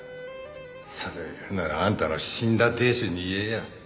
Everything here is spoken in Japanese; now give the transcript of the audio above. それを言うならあんたの死んだ亭主に言えよ。